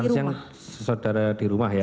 makan siang saudara di rumah ya